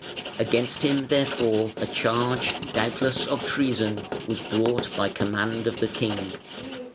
Against him, therefore, a charge, doubtless of treason, was brought by command of the king.